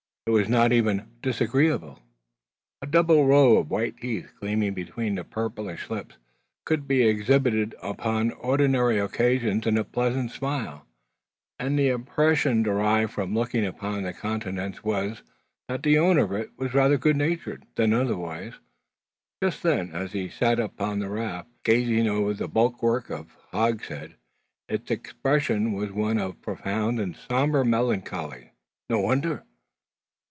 It was not even disagreeable. A double row of white teeth, gleaming between the purplish lips, could be exhibited upon ordinary occasions in a pleasant smile; and the impression derived from looking upon the countenance was, that the owner of it was rather good natured than otherwise. Just then, as he sat upon the raft, gazing over the bulwark of hogsheads, its expression was one of profound and sombre melancholy. No wonder!